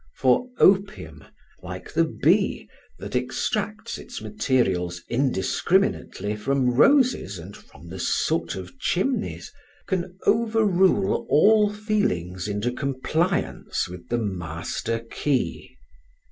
For opium (like the bee, that extracts its materials indiscriminately from roses and from the soot of chimneys) can overrule all feelings into compliance with the master key.